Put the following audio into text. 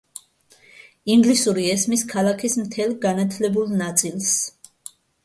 ინგლისური ესმის ქალაქის მთელ განათლებულ ნაწილს.